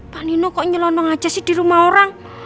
pak nino kok nyelonong aja sih di rumah orang